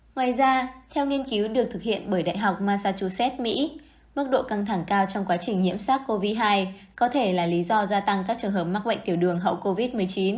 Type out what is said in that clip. ngoài ra theo nghiên cứu được thực hiện bởi đại học massachusetts mỹ mức độ căng thẳng cao trong quá trình nhiễm sát covid một mươi chín có thể là lý do gia tăng các trường hợp mắc bệnh tiểu đường hậu covid một mươi chín